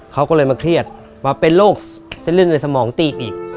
เขาก็เลยมาเครียดว่าเป็นโรคจะลื่นในสมองตีบอีก